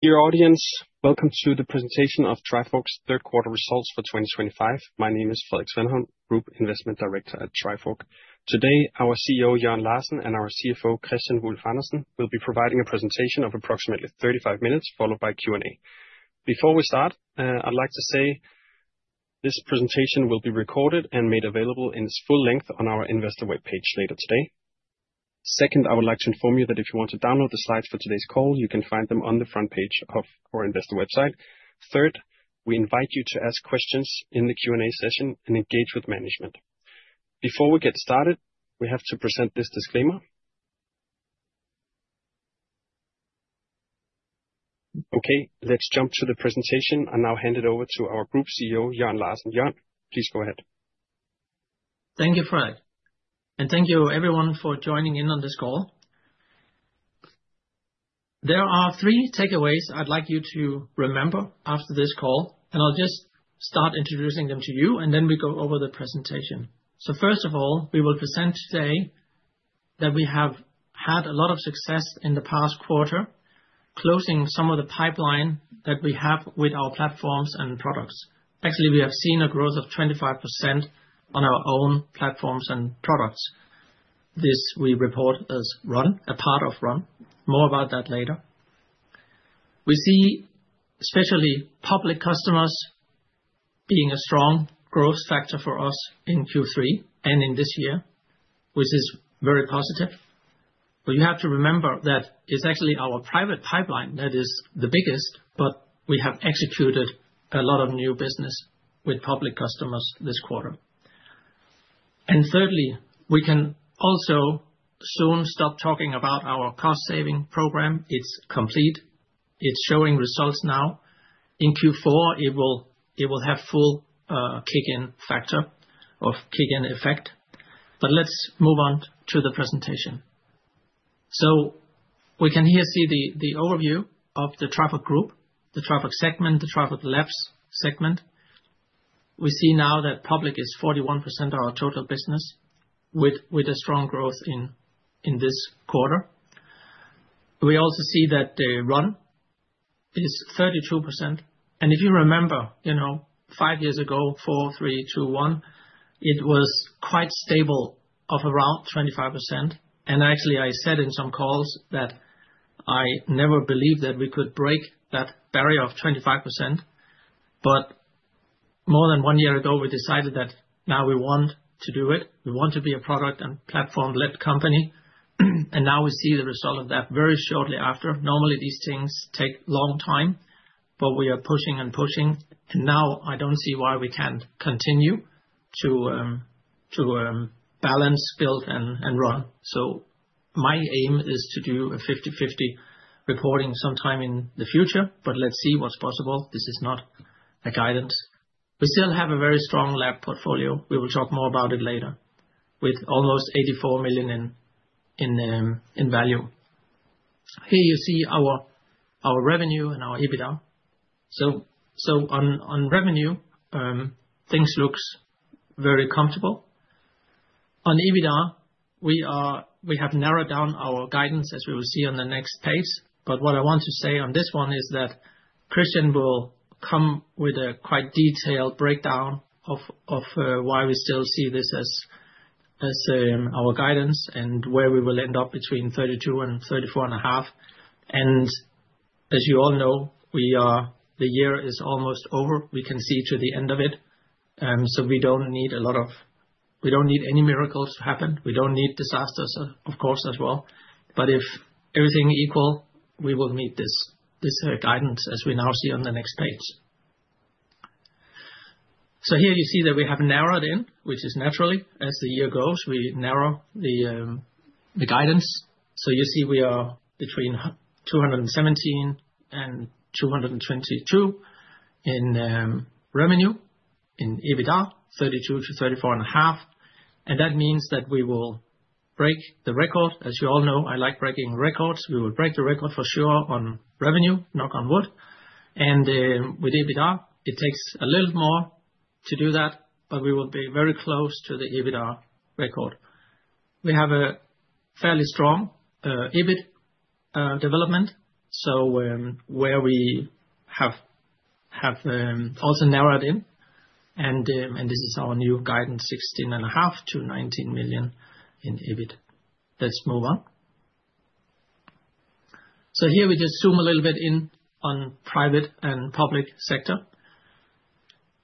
Welcome to Trifork Q3 investor presentation. Let's just take another 30 seconds and wait for everyone to join. Dear audience, welcome to the presentation of Trifork third quarter results for 2025. My name is Felix Svanholm, Group Investment Director at Trifork. Today, our CEO, Jørn Larsen, and our CFO, Kristian Wulf-Andersen, will be providing a presentation of approximately 35 minutes, followed by Q&A. Before we start, I'd like to say this presentation will be recorded and made available in its full length on our investor webpage later today. Second, I would like to inform you that if you want to download the slides for today's call, you can find them on the front page of our investor website. Third, we invite you to ask questions in the Q&A session and engage with management. Before we get started, we have to present this disclaimer. Okay, let's jump to the presentation and now hand it over to our Group CEO, Jørn Larsen. Jørn, please go ahead. Thank you, Fred. And thank you, everyone, for joining in on this call. There are three takeaways I'd like you to remember after this call. I'll just start introducing them to you, and then we go over the presentation. First of all, we will present today that we have had a lot of success in the past quarter, closing some of the pipeline that we have with our platforms and products. Actually, we have seen a growth of 25% on our own platforms and products. This we report as Run, a part of Run. More about that later. We see especially public customers being a strong growth factor for us in Q3 and in this year, which is very positive. You have to remember that it's actually our private pipeline that is the biggest, but we have executed a lot of new business with public customers this quarter. Thirdly, we can also soon stop talking about our cost-saving program. It's complete. It's showing results now. In Q4, it will have full kick-in factor or kick-in effect. Let's move on to the presentation. Here we can see the overview of the Trifork Group, the Trifork segment, the Trifork Labs segment. We see now that public is 41% of our total business, with strong growth in this quarter. We also see that the Run is 32%. If you remember, five years ago, 4, 3, 2, 1, it was quite stable at around 25%. Actually, I said in some calls that I never believed that we could break that barrier of 25%. More than one year ago, we decided that now we want to do it. We want to be a product and platform-led company. Now we see the result of that very shortly after. Normally, these things take a long time, but we are pushing and pushing. Now I don't see why we can't continue to balance, build, and Run. My aim is to do a 50/50 reporting sometime in the future, but let's see what's possible. This is not a guidance. We still have a very strong lab portfolio. We will talk more about it later with almost $84 million in value. Here you see our revenue and our EBITDA. On revenue, things look very comfortable. On EBITDA, we have narrowed down our guidance as we will see on the next page. What I want to say on this one is that Kristian will come with a quite detailed breakdown of why we still see this as our guidance and where we will end up between $32 million and $34.5 million. As you all know, the year is almost over. We can see to the end of it. We don't need a lot of, we don't need any miracles to happen. We don't need disasters, of course, as well. If everything is equal, we will meet this guidance as we now see on the next page. Here you see that we have narrowed in, which is naturally as the year goes, we narrow the guidance. You see we are between $217 million and $222 million in revenue. In EBITDA, $32 million-$34.5 million. That means that we will break the record. As you all know, I like breaking records. We will break the record for sure on revenue, knock on wood. With EBITDA, it takes a little more to do that, but we will be very close to the EBITDA record. We have a fairly strong EBIT development, where we have also narrowed in. This is our new guidance, $16.5 million-$19 million in EBIT. Let's move on. Here we just zoom a little bit in on private and public sector.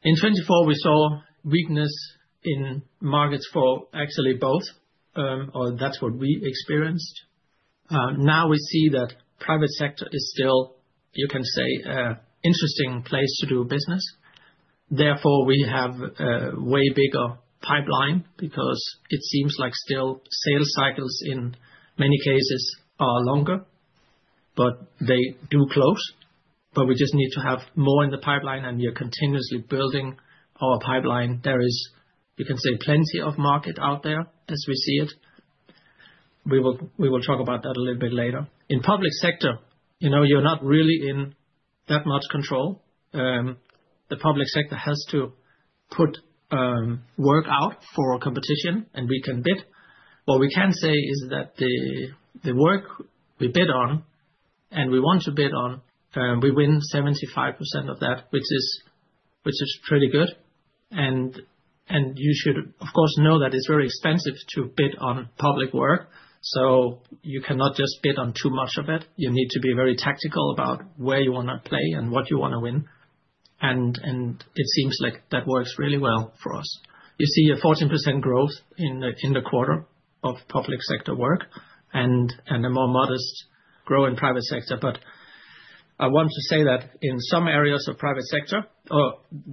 In 2024, we saw weakness in markets for actually both, or that's what we experienced. Now we see that private sector is still, you can say, an interesting place to do business. Therefore, we have a way bigger pipeline because it seems like still sales cycles in many cases are longer, but they do close. We just need to have more in the pipeline, and we are continuously building our pipeline. There is, you can say, plenty of market out there as we see it. We will talk about that a little bit later. In public sector, you're not really in that much control. The public sector has to put work out for competition, and we can bid. What we can say is that the work we bid on and we want to bid on, we win 75% of that, which is pretty good. You should, of course, know that it's very expensive to bid on public work. You cannot just bid on too much of it. You need to be very tactical about where you want to play and what you want to win. It seems like that works really well for us. You see a 14% growth in the quarter of public sector work and a more modest growth in private sector. I want to say that in some areas of private sector,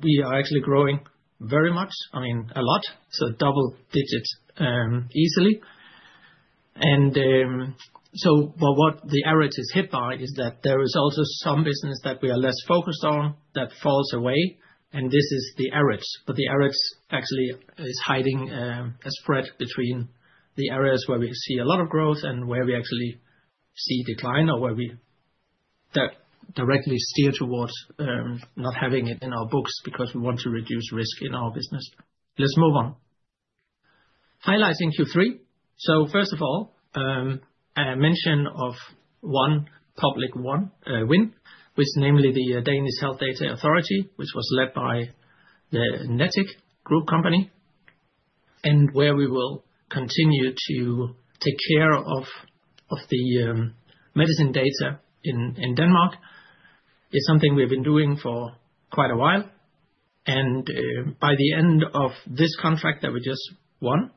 we are actually growing very much, I mean, a lot, so double digit, easily. What the area is hit by is that there is also some business that we are less focused on that falls away. This is the areas. The areas actually are hiding a spread between the areas where we see a lot of growth and where we actually see decline or where we. Directly steer towards not having it in our books because we want to reduce risk in our business. Let's move on. Highlighting Q3. First of all, a mention of one public win, which is namely the Danish Health Data Authority, which was led by the Netic Group Company, and where we will continue to take care of the medicine data in Denmark. This is something we have been doing for quite a while, and by the end of this contract that we just won,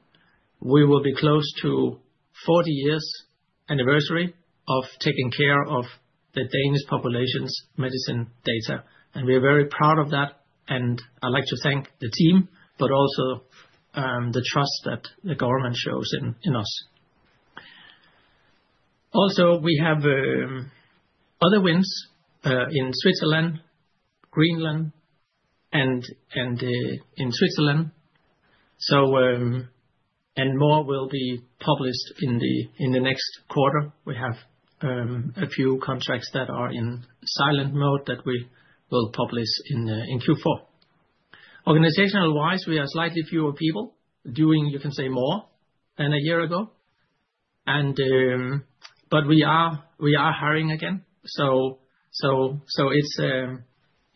we will be close to a 40 years anniversary of taking care of the Danish population's medicine data. We are very proud of that, and I'd like to thank the team, but also the trust that the government shows in us. Also, we have other wins in Switzerland, Greenland, and in Switzerland. More will be published in the next quarter. We have a few contracts that are in silent mode that we will publish in Q4. Organizational-wise, we are slightly fewer people doing, you can say, more than a year ago, but we are hiring again.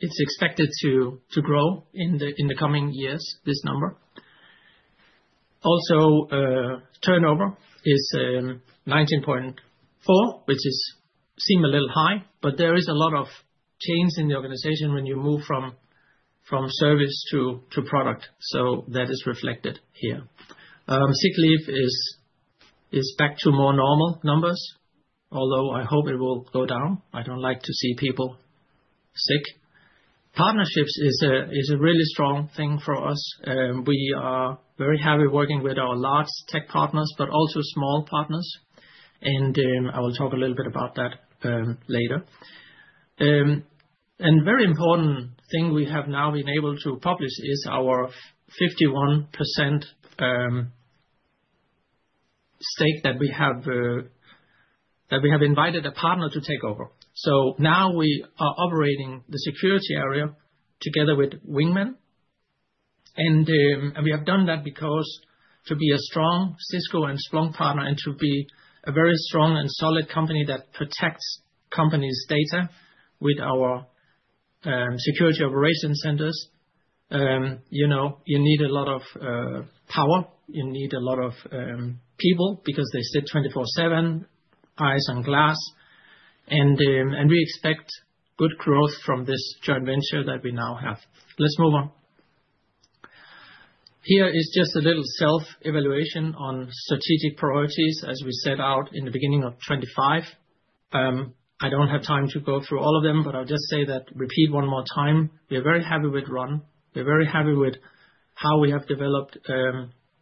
It's expected to grow in the coming years, this number. Also, turnover is $19.4 million, which seems a little high, but there is a lot of change in the organization when you move from service to product, so that is reflected here. Sick leave is back to more normal numbers, although I hope it will go down. I don't like to see people sick. Partnerships is a really strong thing for us. We are very happy working with our large tech partners, but also small partners. I will talk a little bit about that later. A very important thing we have now been able to publish is our 51% stake that we have invited a partner to take over. Now we are operating the security area together with Wingmen, and we have done that to be a strong Cisco and Splunk partner and to be a very strong and solid company that protects companies' data with our security operation centers. You need a lot of power, you need a lot of people because they sit 24/7, eyes on glass. We expect good growth from this joint venture that we now have. Let's move on. Here is just a little self-evaluation on strategic priorities, as we set out in the beginning of 2025. I don't have time to go through all of them, but I'll just say that, repeat one more time, we are very happy with Run. We're very happy with how we have developed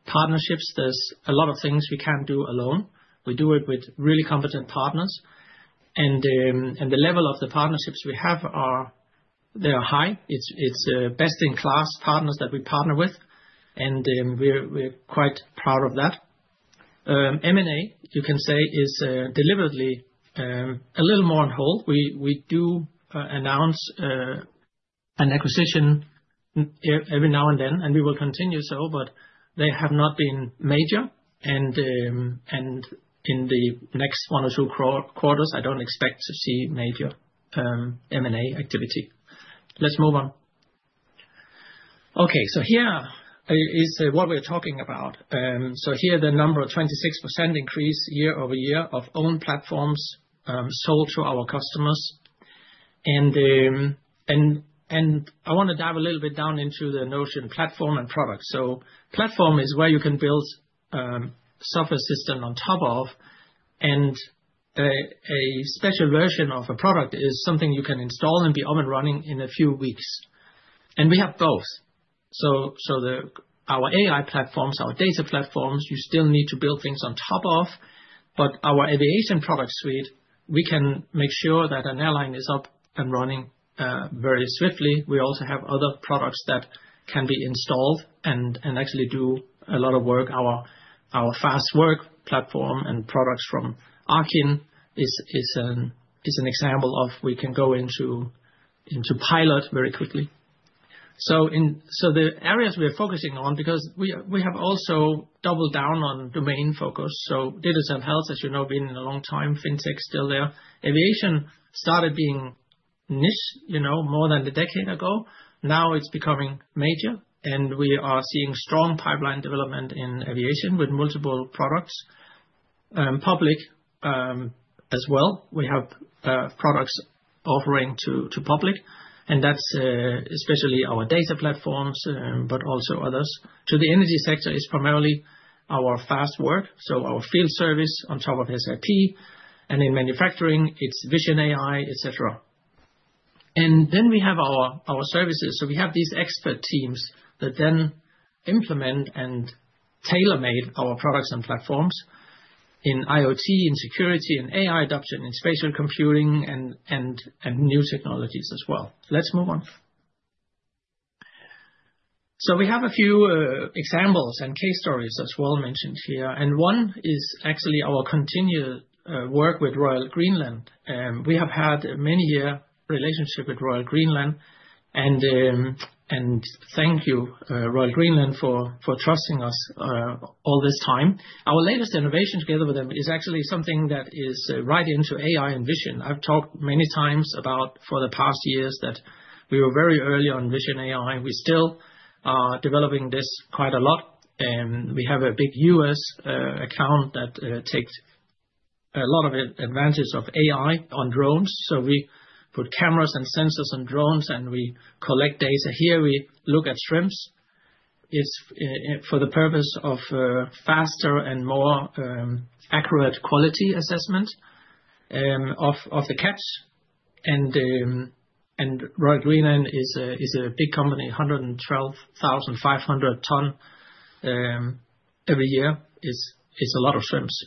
partnerships. There's a lot of things we can't do alone. We do it with really competent partners, and the level of the partnerships we have are high. It's best-in-class partners that we partner with, and we're quite proud of that. M&A, you can say, is deliberately a little more on hold. We do announce an acquisition every now and then, and we will continue so, but they have not been major. In the next one or two quarters, I don't expect to see major M&A activity. Let's move on. Okay, so here is what we're talking about. Here, the number of 26% increase year-over-year of owned platforms sold to our customers. I want to dive a little bit down into the notion platform and product. Platform is where you can build software system on top of, and a special version of a product is something you can install and be up and running in a few weeks. We have both. Our AI platforms, our data platforms, you still need to build things on top of, but our aviation product suite, we can make sure that an airline is up and running very swiftly. We also have other products that can be installed and actually do a lot of work. Our fast work platform and products from Arkyn is an example of we can go into pilot very quickly. The areas we are focusing on, because we have also doubled down on domain focus. Digital Health, as you know, been in a long time, FinTech still there. Aviation started being niche, you know, more than a decade ago. Now it's becoming major, and we are seeing strong pipeline development in aviation with multiple products. Public as well. We have products offering to public, and that's especially our data platforms, but also others. To the energy sector is primarily our fast work, so our field service on top of SAP, and in manufacturing, it's Vision AI, et cetera. Then we have our services. We have these expert teams that then implement and tailor-made our products and platforms in IoT, in security, in AI adoption, in spatial computing, and new technologies as well. Let's move on. We have a few examples and case stories as well mentioned here. One is actually our continued work with Royal Greenland. We have had a many-year relationship with Royal Greenland, and thank you, Royal Greenland, for trusting us all this time. Our latest innovation together with them is actually something that is right into AI and Vision. I've talked many times over the past years that we were very early on Vision AI. We still are developing this quite a lot. We have a big U.S. account that takes a lot of advantage of AI on drones. We put cameras and sensors on drones and we collect data here. We look at shrimps. It's for the purpose of faster and more accurate quality assessment of the catch. Royal Greenland is a big company, 112,500 tons every year is a lot of shrimps.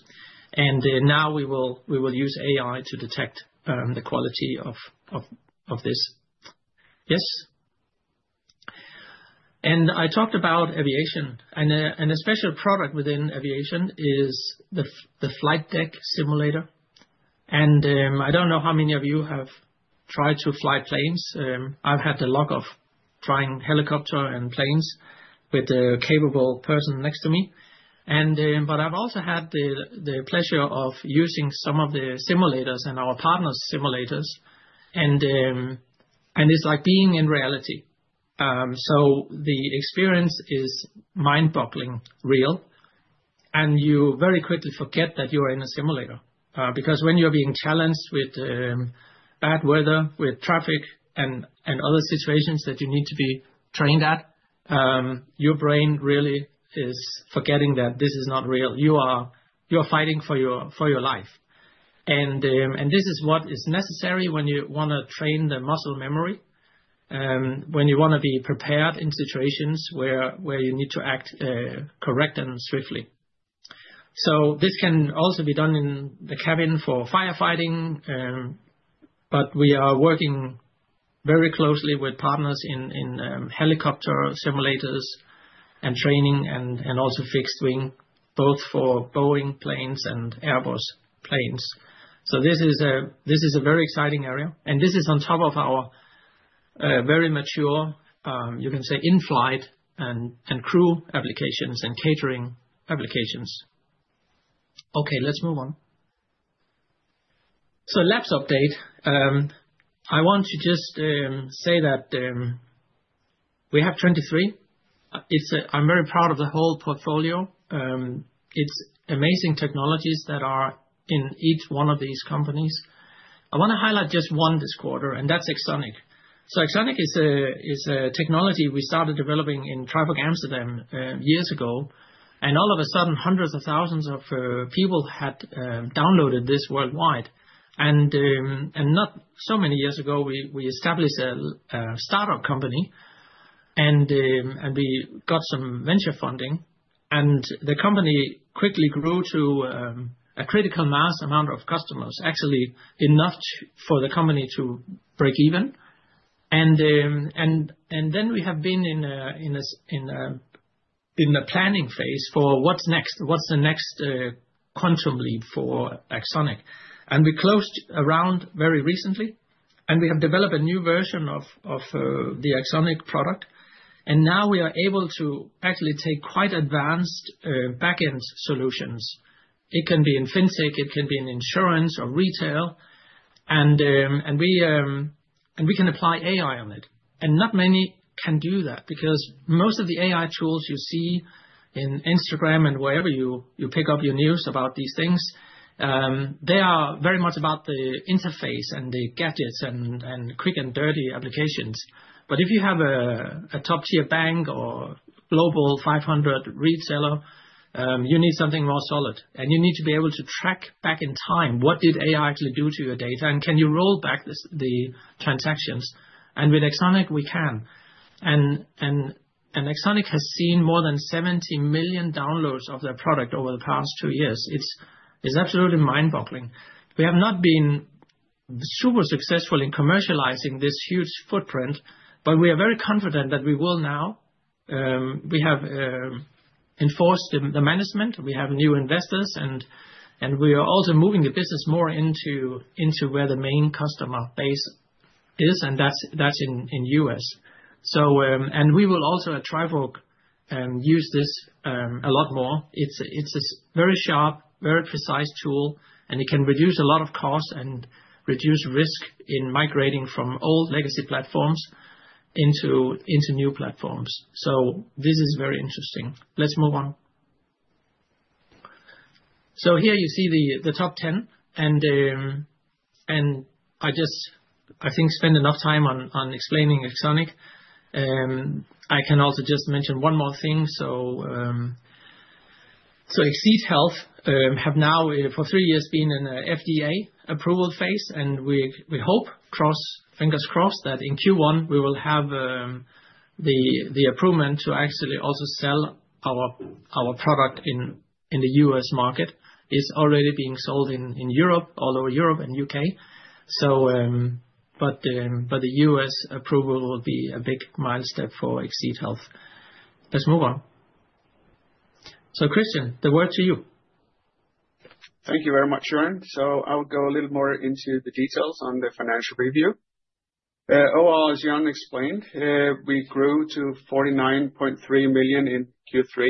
Now we will use AI to detect the quality of this. I talked about aviation and a special product within aviation is the flight deck simulator. I don't know how many of you have tried to fly planes. I've had the luck of trying helicopter and planes with a capable person next to me. I've also had the pleasure of using some of the simulators and our partner's simulators. It's like being in reality. The experience is mind-bogglingly real. You very quickly forget that you are in a simulator, because when you're being challenged with bad weather, with traffic and other situations that you need to be trained at, your brain really is forgetting that this is not real. You are fighting for your life. This is what is necessary when you want to train the muscle memory, when you want to be prepared in situations where you need to act correct and swiftly. This can also be done in the cabin for firefighting. We are working very closely with partners in helicopter simulators and training and also fixed wing, both for Boeing planes and Airbus planes. This is a very exciting area. This is on top of our very mature in-flight and crew applications and catering applications. Let's move on. Labs update. I want to just say that we have 23. I'm very proud of the whole portfolio. It's amazing technologies that are in each one of these companies. I want to highlight just one this quarter, and that's AxonIQ. AxonIQ is a technology we started developing in Trifork Amsterdam years ago. All of a sudden, hundreds of thousands of people had downloaded this worldwide. Not so many years ago, we established a startup company and we got some venture funding. The company quickly grew to a critical mass amount of customers, actually enough for the company to break even. We have been in a planning phase for what's next, what's the next quantum leap for AxonIQ. We closed a round very recently, and we have developed a new version of the AxonIQ product. Now we are able to actually take quite advanced backend solutions. It can be in FinTech, it can be in insurance or retail. We can apply AI on it. Not many can do that because most of the AI tools you see in Instagram and wherever you pick up your news about these things, they are very much about the interface and the gadgets and quick and dirty applications. If you have a top-tier bank or Global 500 retailer, you need something more solid. You need to be able to track back in time. What did AI actually do to your data? Can you roll back the transactions? With AxonIQ, we can. AxonIQ has seen more than 70 million downloads of their product over the past two years. It's absolutely mind-boggling. We have not been super successful in commercializing this huge footprint, but we are very confident that we will now. We have enforced the management. We have new investors, and we are also moving the business more into where the main customer base is. That's in the U.S. We will also at Trifork, use this a lot more. It's a very sharp, very precise tool, and it can reduce a lot of cost and reduce risk in migrating from old legacy platforms into new platforms. This is very interesting. Let's move on. Here you see the top 10. I think I have spent enough time on explaining AxonIQ. I can also just mention one more thing. ExSeed Health have now for three years been in an FDA approval phase. We hope, fingers crossed, that in Q1 we will have the approval to actually also sell our product in the U.S. market. It's already being sold in Europe, all over Europe and the U.K. The U.S. approval will be a big milestone for ExSeed Health. Let's move on. Kristian, the word to you. Thank you very much, Jørn. I'll go a little more into the details on the financial review. Overall, as Jørn explained, we grew to $49.3 million in Q3.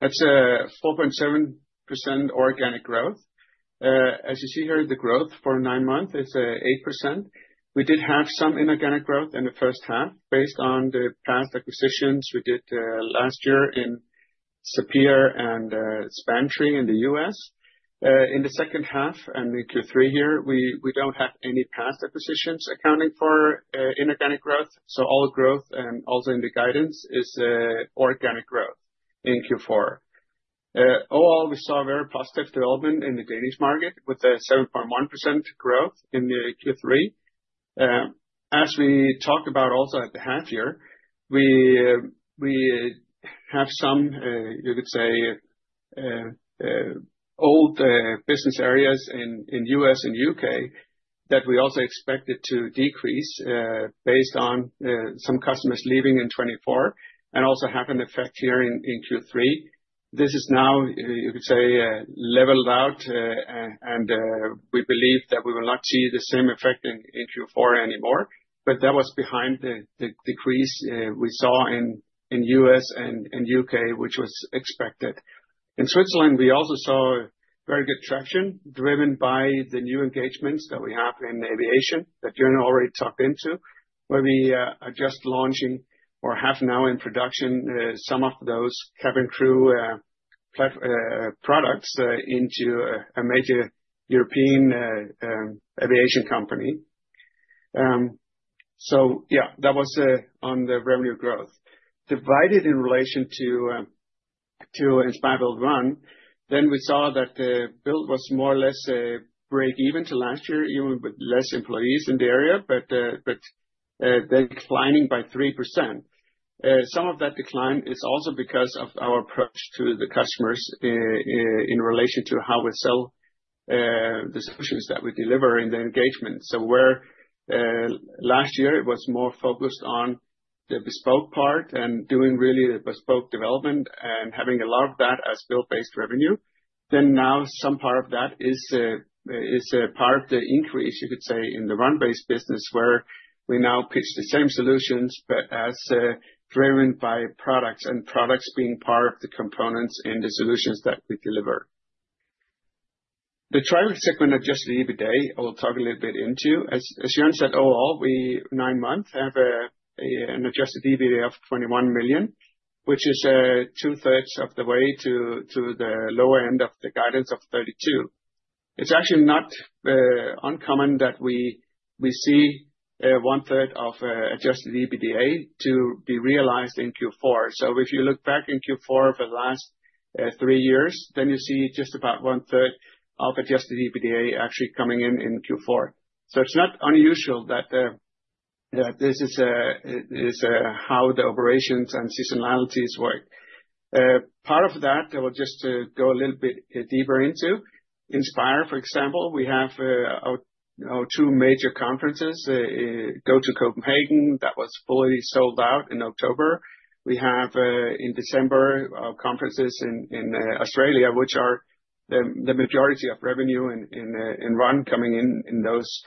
That's a 4.7% organic growth. As you see here, the growth for nine months is 8%. We did have some inorganic growth in the first half based on the past acquisitions we did last year in Sapir and Spantry in the U.S. In the second half and in Q3 here, we don't have any past acquisitions accounting for inorganic growth. All growth and also in the guidance is organic growth in Q4. Overall, we saw very positive development in the Danish market with a 7.1% growth in Q3. As we talked about also at the half year, we have some, you could say, old business areas in the U.S. and U.K. that we also expected to decrease, based on some customers leaving in 2024 and also have an effect here in Q3. This is now, you could say, leveled out, and we believe that we will not see the same effect in Q4 anymore. That was behind the decrease we saw in the U.S. and U.K., which was expected. In Switzerland, we also saw very good traction driven by the new engagements that we have in aviation that Jørn already talked into, where we are just launching or have now in production some of those cabin crew products into a major European aviation company. That was on the revenue growth divided in relation to Inspired Build One. We saw that the build was more or less a break even to last year, even with less employees in the area, but then declining by 3%. Some of that decline is also because of our approach to the customers in relation to how we sell the solutions that we deliver in the engagement. Where last year it was more focused on the bespoke part and doing really the bespoke development and having a lot of that as build-based revenue, now some part of that is a part of the increase, you could say, in the Run segment business where we now pitch the same solutions, but as driven by products and products being part of the components in the solutions that we deliver. The Trifork segment adjusted EBITDA, I will talk a little bit into. As Jørn said, overall, we nine months have an adjusted EBITDA of $21 million, which is two-thirds of the way to the lower end of the guidance of $32 million. It's actually not uncommon that we see one-third of adjusted EBITDA to be realized in Q4. If you look back in Q4 for the last three years, then you see just about one-third of adjusted EBITDA actually coming in Q4. It's not unusual that this is how the operations and seasonalities work. Part of that, I will just go a little bit deeper into Inspire. For example, we have our two major conferences, GOTO Copenhagen that was fully sold out in October. We have, in December, our conferences in Australia, which are the majority of revenue in Run coming in those.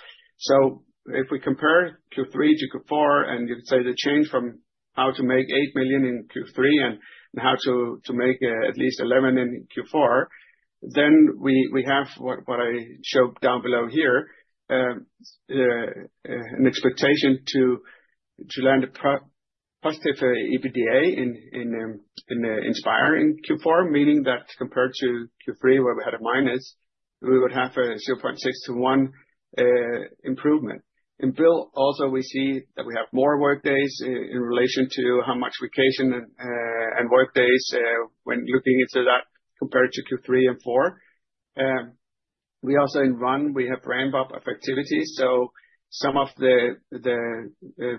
If we compare Q3 to Q4, and you could say the change from how to make $8 million in Q3 and how to make at least $11 million in Q4, then we have what I showed down below here, an expectation to land a pro positive EBITDA in Inspire in Q4, meaning that compared to Q3, where we had a minus, we would have a 0.6 to 1 improvement. In Build, also we see that we have more workdays in relation to how much vacation and workdays, when looking into that compared to Q3 and Q4. We also in Run, we have ramp-up effectivity. Some of the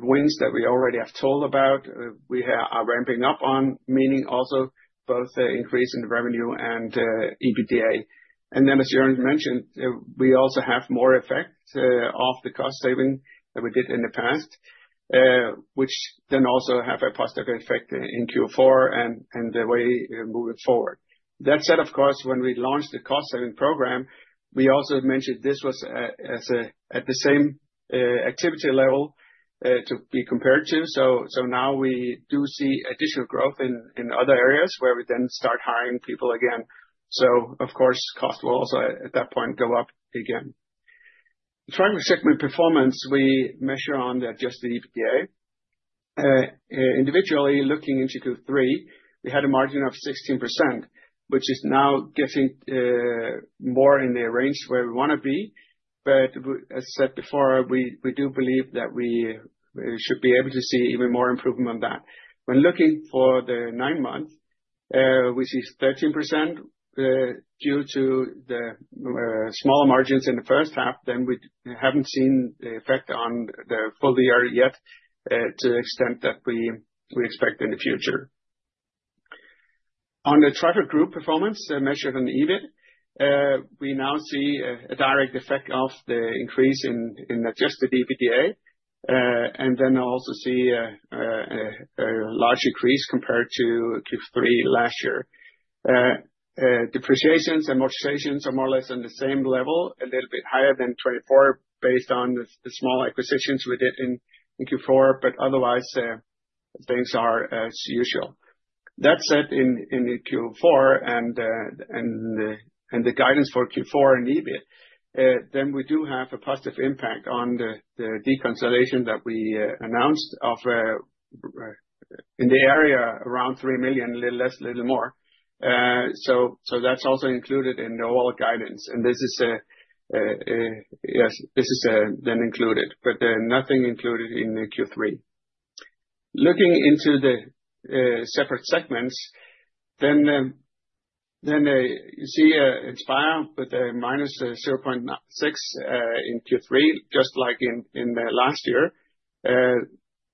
wins that we already have told about, we are ramping up on, meaning also both the increase in the revenue and EBITDA. As Jørn mentioned, we also have more effect of the cost saving that we did in the past, which then also has a positive effect in Q4 and the way moving forward. That said, of course, when we launched the cost saving program, we also mentioned this was, as a, at the same activity level, to be compared to. Now we do see additional growth in other areas where we then start hiring people again. Of course, cost will also at that point go up again. Trifork segment performance, we measure on the adjusted EBITDA. Individually looking into Q3, we had a margin of 16%, which is now getting more in the range where we want to be. As said before, we do believe that we should be able to see even more improvement on that. When looking for the nine months, we see 13%, due to the smaller margins in the first half. We haven't seen the effect on the full year yet, to the extent that we expect in the future. On the Trifork Group performance, measured on EBIT, we now see a direct effect of the increase in adjusted EBITDA, and then also see a large increase compared to Q3 last year. Depreciations and amortizations are more or less on the same level, a little bit higher than 2024 based on the small acquisitions we did in Q4, but otherwise, things are as usual. That said, in Q4 and the guidance for Q4 and EBIT, we do have a positive impact on the deconsolidation that we announced of in the area around $3 million, a little less, a little more. That's also included in the overall guidance. This is then included, but nothing included in Q3. Looking into the separate segments, you see Inspire with a -0.6 in Q3, just like in the last year.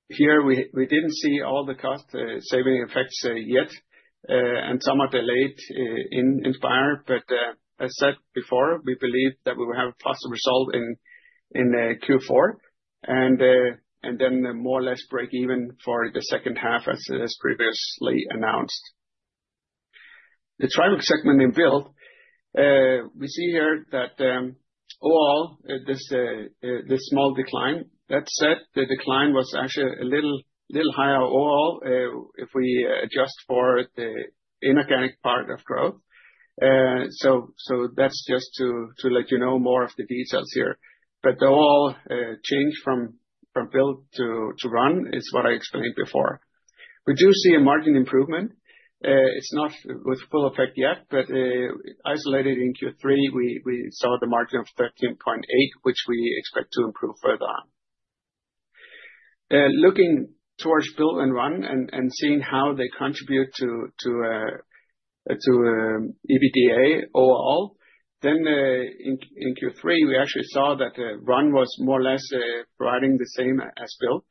Here we didn't see all the cost saving effects yet, and some are delayed in Inspire. As said before, we believe that we will have a positive result in Q4 and more or less break even for the second half, as previously announced. The traffic segment in Build, we see here that overall, this small decline, that said, the decline was actually a little higher overall if we adjust for the inorganic part of growth. That's just to let you know more of the details here. The overall change from Build to Run is what I explained before. We do see a margin improvement. It's not with full effect yet, but isolated in Q3, we saw the margin of 13.8%, which we expect to improve further on. Looking towards Build and Run and seeing how they contribute to EBITDA overall, in Q3, we actually saw that Run was more or less providing the same as Build.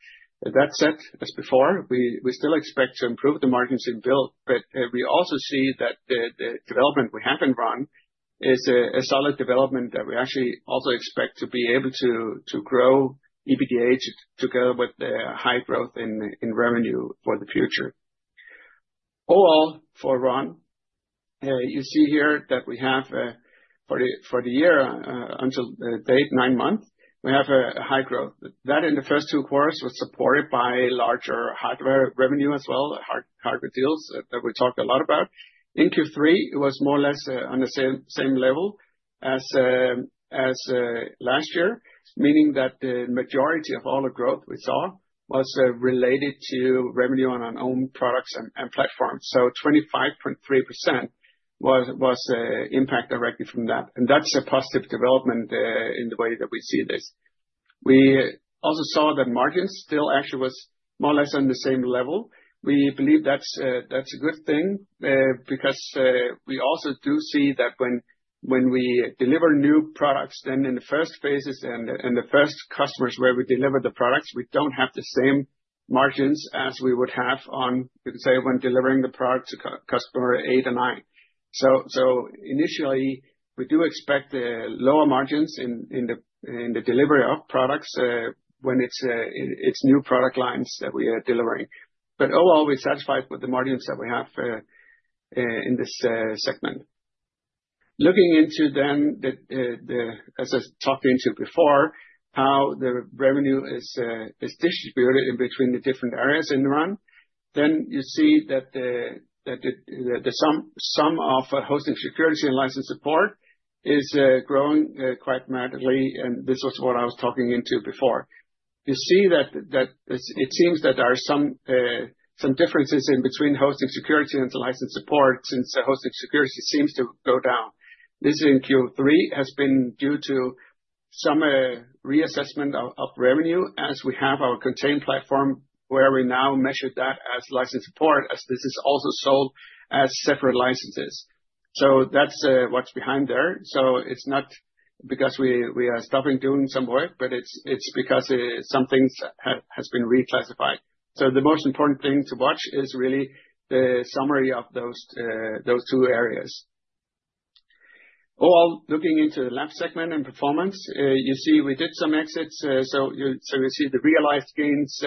That said, as before, we still expect to improve the margins in Build, but we also see that the development we have in Run is a solid development that we actually also expect to be able to grow EBITDA together with the high growth in revenue for the future. Overall for Run, you see here that we have, for the year until the date, nine months, we have a high growth. That in the first two quarters was supported by larger hardware revenue as well, hardware deals that we talked a lot about. In Q3, it was more or less on the same level as last year, meaning that the majority of all the growth we saw was related to revenue on our own products and platforms. So 25.3% was impact directly from that. That's a positive development in the way that we see this. We also saw that margins still actually were more or less on the same level. We believe that's a good thing, because we also do see that when we deliver new products, then in the first phases and the first customers where we deliver the products, we don't have the same margins as we would have on, you could say, when delivering the product to customer eight and nine. Initially, we do expect the lower margins in the delivery of products when it's new product lines that we are delivering. Overall, we're satisfied with the margins that we have in this segment. Looking into, as I talked into before, how the revenue is distributed in between the different areas in Run, you see that some of hosting security and license support is growing quite mightily. This was what I was talking into before. You see that it seems that there are some differences in between hosting security and license support since the hosting security seems to go down. This in Q3 has been due to some reassessment of revenue as we have our contained platform where we now measure that as license support, as this is also sold as separate licenses. That's what's behind there. It's not because we are stopping doing some work, but it's because some things have been reclassified. The most important thing to watch is really the summary of those two areas. Overall, looking into the LAMP segment and performance, you see we did some exits, so you see the realized gains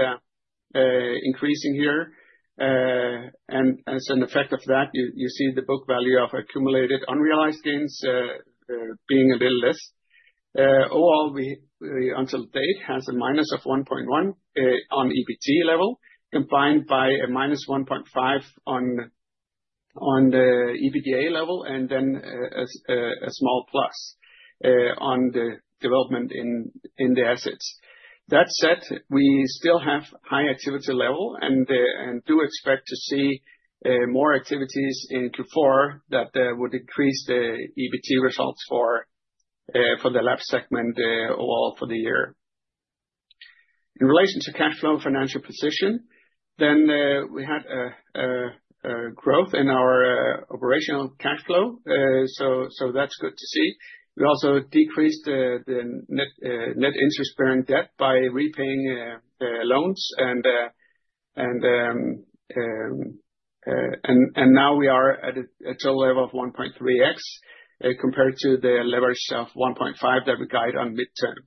increasing here. As an effect of that, you see the book value of accumulated unrealized gains being a little less. Overall, we until date have a minus of $1.1 million on EBT level combined by a minus $1.5 million on the EBITDA level, and then a small plus on the development in the assets. That said, we still have high activity level and do expect to see more activities in Q4 that would increase the EBT results for the LAMP segment overall for the year. In relation to cash flow and financial position, we had a growth in our operational cash flow, so that's good to see. We also decreased the net interest-bearing debt by repaying loans, and now we are at a total level of 1.3x compared to the leverage of 1.5x that we guide on midterm.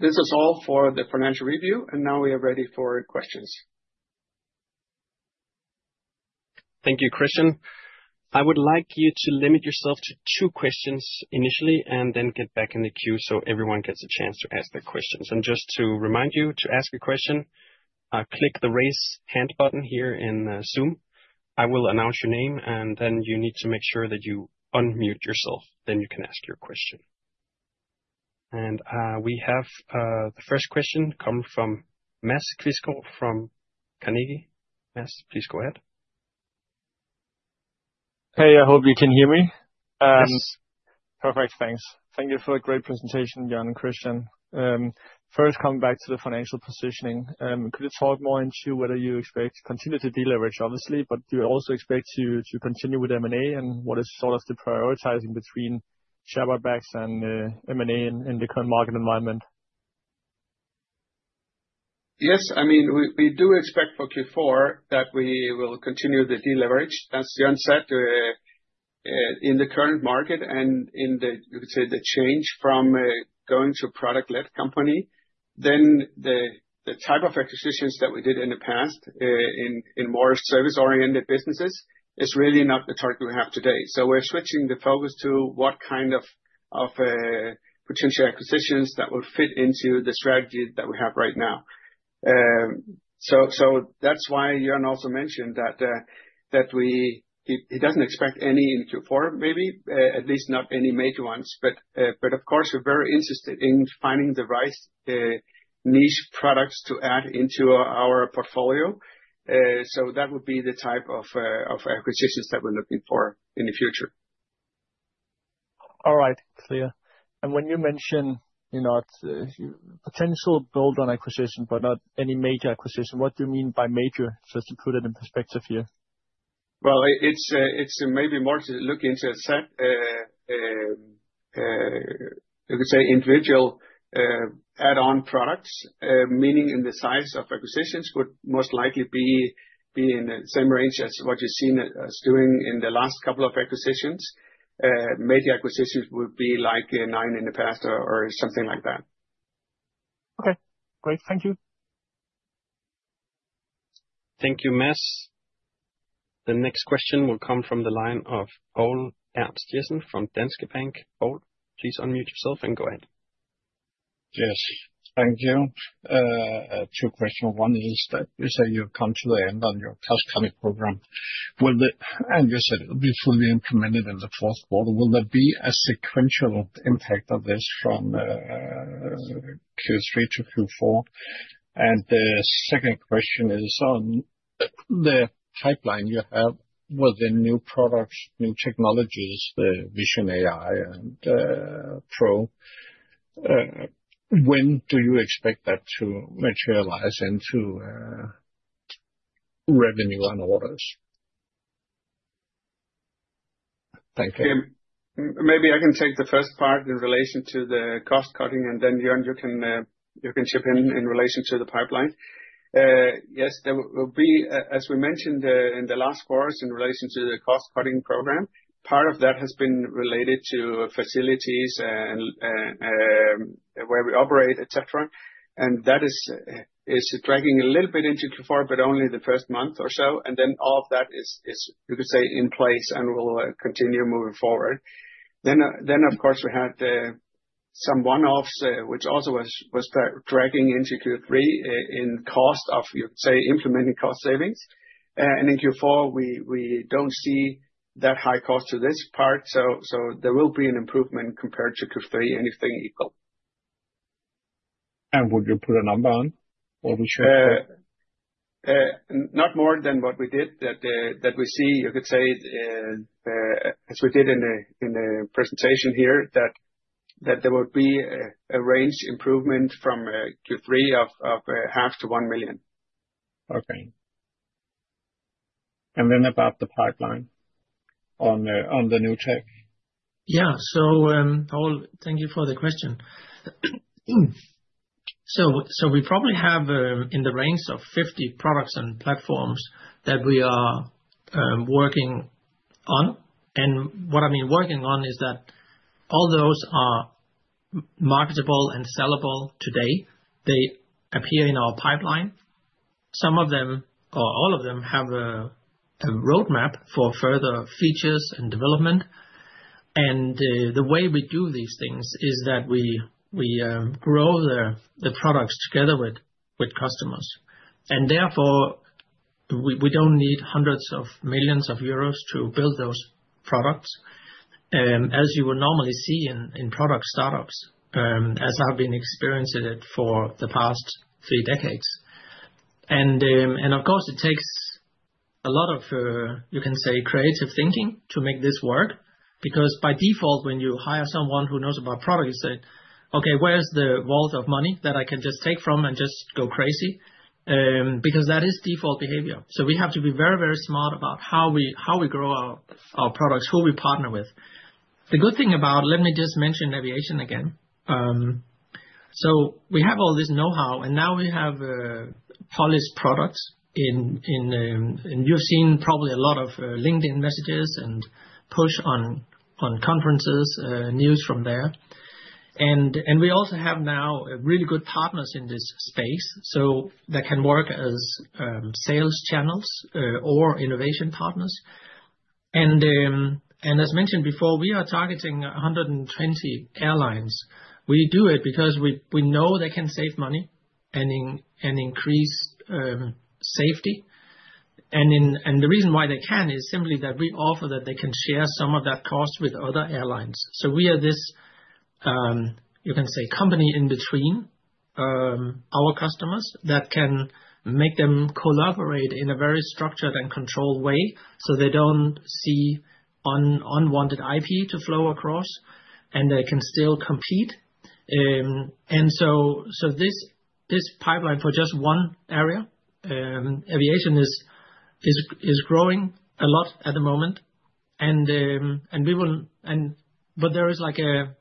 This is all for the financial review, and now we are ready for questions. Thank you, Kristian. I would like you to limit yourself to two questions initially and then get back in the queue so everyone gets a chance to ask their questions. Just to remind you, to ask a question, click the raise hand button here in Zoom. I will announce your name, and then you need to make sure that you unmute yourself. Then you can ask your question. We have the first question come from Mads Quistgaard from Carnegie. Ms., please go ahead. Hey, I hope you can hear me. Perfect. Thanks. Thank you for a great presentation, Jørn and Kristian. First, coming back to the financial positioning, could you talk more into whether you expect to continue to deleverage, obviously, but do you also expect to continue with M&A and what is the prioritizing between share buybacks and M&A in the current market environment? Yes. I mean, we do expect for Q4 that we will continue to deleverage, as Jørn said, in the current market and in the, you could say, the change from going to a product-led company, then the type of acquisitions that we did in the past, in more service-oriented businesses, is really not the target we have today. We're switching the focus to what kind of potential acquisitions would fit into the strategy that we have right now. That's why Jørn also mentioned that he doesn't expect any in Q4, at least not any major ones. Of course, we're very interested in finding the right niche products to add into our portfolio. That would be the type of acquisitions that we're looking for in the future. All right, clear. When you mention it's a potential build-on acquisition, but not any major acquisition, what do you mean by major? Just to put it in perspective here. It's maybe more to look into a set, you could say, individual add-on products, meaning the size of acquisitions would most likely be in the same range as what you've seen us doing in the last couple of acquisitions. Major acquisitions would be like a Nine in the past or something like that. Okay. Great. Thank you. Thank you, Ms. The next question will come from the line of Poul Ernst Jessen from Danske Bank. Poul, please unmute yourself and go ahead. Yes. Thank you. Two questions. One is that you say you've come to the end on your cost program. Will the, and you said it'll be fully implemented in the fourth quarter. Will there be a sequential impact of this from Q3 to Q4? The second question is on the pipeline you have with the new products, new technologies, the Vision AI and Pro. When do you expect that to materialize into revenue on orders? Thank you. Okay. Maybe I can take the first part in relation to the cost cutting, and then Jørn, you can chip in in relation to the pipeline. Yes, there will be, as we mentioned in the last quarters in relation to the cost cutting program, part of that has been related to facilities and where we operate, et cetera. That is dragging a little bit into Q4, but only the first month or so. All of that is in place and will continue moving forward. Of course, we had some one-offs, which also was dragging into Q3, in cost of implementing cost savings. In Q4, we don't see that high cost to this part, so there will be an improvement compared to Q3, anything equal. Would you put a number on what we should? Not more than what we did, that we see, as we did in the presentation here, that there would be a range improvement from Q3 of $0.5 million-$1 million. About the pipeline, on the new tech. Yeah. Thank you for the question. We probably have in the range of 50 products and platforms that we are working on. What I mean working on is that all those are marketable and sellable today. They appear in our pipeline. Some of them, or all of them, have a roadmap for further features and development. The way we do these things is that we grow the products together with customers. Therefore, we don't need hundreds of millions of euros to build those products, as you would normally see in product startups, as I've been experiencing it for the past three decades. It takes a lot of creative thinking to make this work because by default, when you hire someone who knows about product, you say, okay, where's the wealth of money that I can just take from and just go crazy? That is default behavior. We have to be very smart about how we grow our products, who we partner with. The good thing about, let me just mention aviation again, we have all this know-how and now we have polished products, and you've seen probably a lot of LinkedIn messages and push on conferences, news from there. We also have now really good partners in this space. That can work as sales channels or innovation partners. As mentioned before, we are targeting 120 airlines. We do it because we know they can save money and increase safety. The reason why they can is simply that we offer that they can share some of that cost with other airlines. We are this, you can say, company in between our customers that can make them collaborate in a very structured and controlled way so they don't see unwanted IP to flow across and they can still compete. This pipeline for just one area, aviation, is growing a lot at the moment. There is a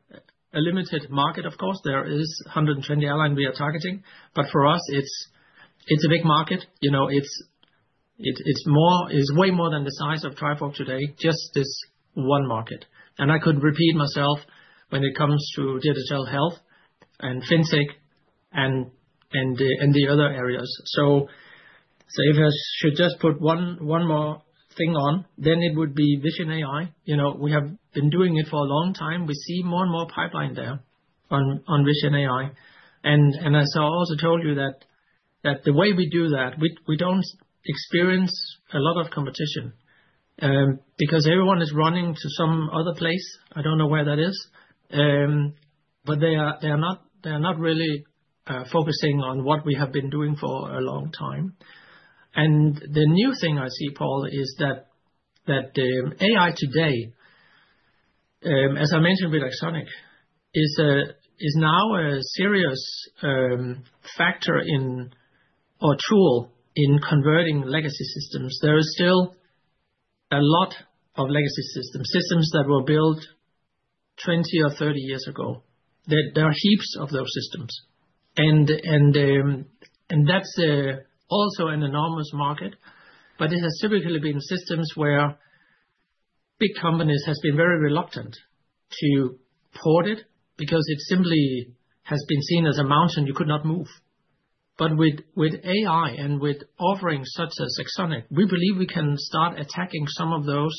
limited market. Of course, there are 120 airlines we are targeting, but for us it's a big market. It's way more than the size of Trifork today, just this one market. I could repeat myself when it comes to Digital Health and FinTech and the other areas. If I should just put one more thing on, then it would be Vision AI. We have been doing it for a long time. We see more and more pipeline there on Vision AI. As I also told you, the way we do that, we don't experience a lot of competition because everyone is running to some other place. I don't know where that is, but they are not really focusing on what we have been doing for a long time. The new thing I see, Paul, is that AI today, as I mentioned with AxonIQ, is now a serious factor in, or tool in, converting legacy systems. There is still a lot of legacy systems, systems that were built 20 or 30 years ago. There are heaps of those systems, and that's also an enormous market, but it has typically been systems where big companies have been very reluctant to port it because it simply has been seen as a mountain you could not move. With AI and with offerings such as AxonIQ, we believe we can start attacking some of those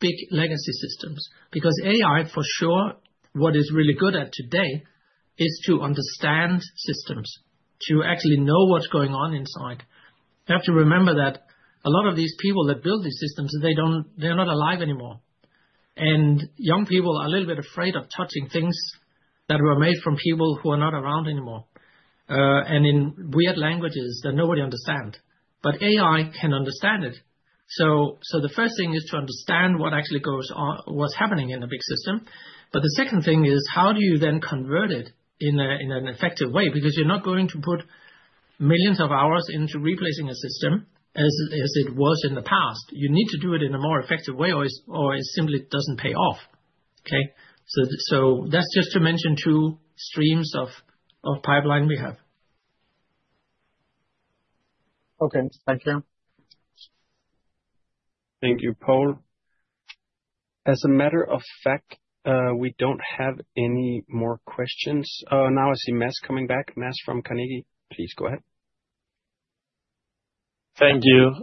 big legacy systems because AI, for sure, what it is really good at today is to understand systems, to actually know what's going on inside. You have to remember that a lot of these people that built these systems, they're not alive anymore. Young people are a little bit afraid of touching things that were made from people who are not around anymore, and in weird languages that nobody understands. AI can understand it. The first thing is to understand what actually goes on, what's happening in a big system. The second thing is how do you then convert it in an effective way, because you're not going to put millions of hours into replacing a system as it was in the past. You need to do it in a more effective way or it simply doesn't pay off. That's just to mention two streams of pipeline we have. Thank you. Thank you, Poul. As a matter of fact, we don't have any more questions. Now I see Mads coming back. Mads from Carnegie, please go ahead. Thank you.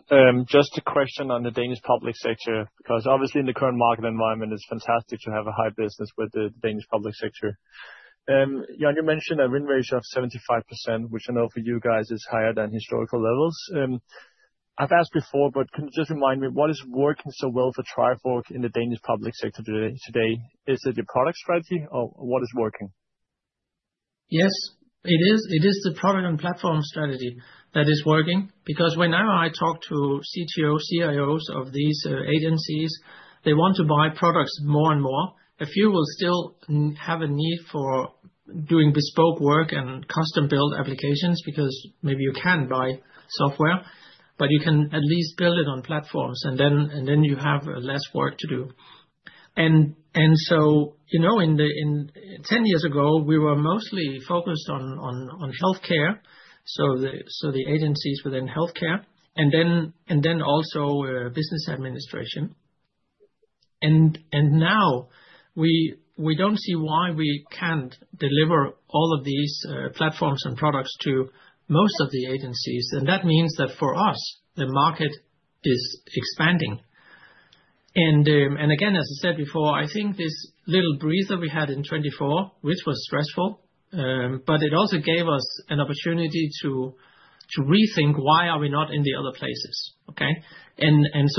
Just a question on the Danish public sector, because obviously in the current market environment, it's fantastic to have a high business with the Danish public sector. Jørn, you mentioned a win rate of 75%, which I know for you guys is higher than historical levels. I've asked before, but can you just remind me what is working so well for Trifork in the Danish public sector today? Is it your product strategy or what is working? Yes, it is. It is the product and platform strategy that is working because whenever I talk to CTOs, CIOs of these agencies, they want to buy products more and more. A few will still have a need for doing bespoke work and custom-built applications because maybe you can buy software, but you can at least build it on platforms and then you have less work to do. In 10 years ago, we were mostly focused on healthcare, so the agencies within healthcare and then also business administration. Now we don't see why we can't deliver all of these platforms and products to most of the agencies. That means that for us, the market is expanding. Again, as I said before, I think this little breather we had in 2024, which was stressful, but it also gave us an opportunity to rethink why are we not in the other places.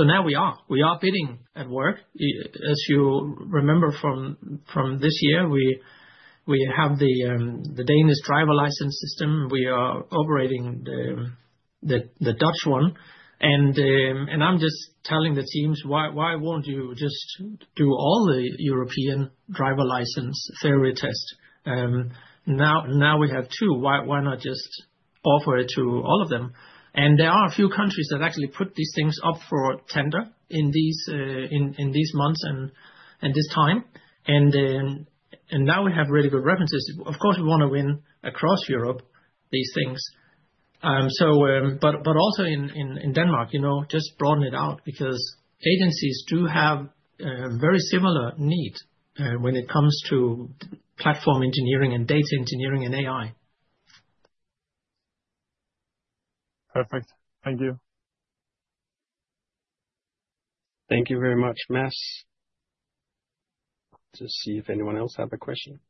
Now we are bidding at work. As you remember from this year, we have the Danish driver license system. We are operating the Dutch one. I'm just telling the teams, why won't you just do all the European driver license theory test? Now we have two. Why not just offer it to all of them? There are a few countries that actually put these things up for tender in these months and this time. Now we have really good references. Of course, we want to win across Europe these things. Also in Denmark, just broaden it out because agencies do have very similar need when it comes to platform engineering and data engineering and AI. Perfect. Thank you. Thank you very much, Mads. To see if anyone else has a question.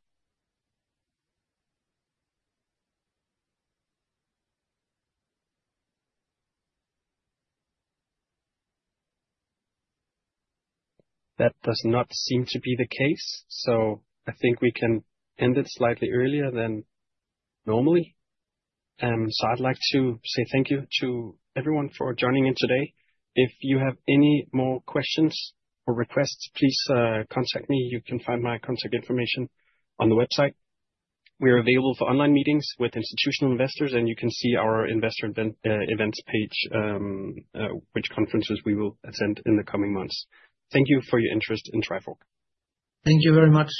That does not seem to be the case. I think we can end it slightly earlier than normally. I'd like to say thank you to everyone for joining me today. If you have any more questions or requests, please contact me. You can find my contact information on the website. We are available for online meetings with institutional investors, and you can see our investor events page, which conferences we will attend in the coming months. Thank you for your interest in Trifork. Thank you very much.